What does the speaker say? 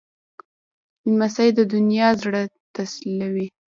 لمسی د نیا زړه تسلوي.